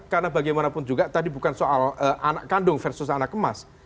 karena bagaimanapun juga tadi bukan soal anak kandung versus anak emas